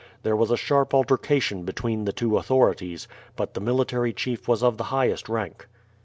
There was a sharp altercation between the two authorities, but the military chief was of the highest rank.